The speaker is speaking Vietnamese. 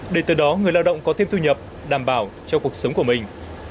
để từ đó người lao động có thêm thu nhập đảm bảo cho cuộc sống của mình